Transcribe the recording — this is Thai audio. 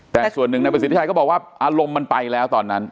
แต่ส่วนหนึ่งนายประสิทธิชัยก็บอกว่าอารมณ์มันไปแล้วตอนนั้น